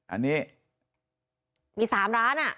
อันนี้มี๓ร้าน